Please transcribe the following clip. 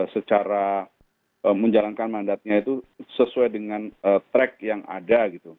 secara menjalankan mandatnya itu sesuai dengan track yang ada gitu